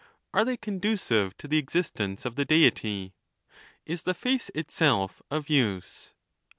Are they condu cive to the existence of the Deity? Is the face itself of use